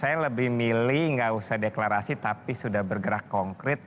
saya lebih milih nggak usah deklarasi tapi sudah bergerak konkret